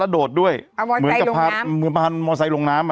แล้วโดดด้วยเอามอเตอร์ไซค์ลงน้ำเหมือนกับพามอเตอร์ไซค์ลงน้ำ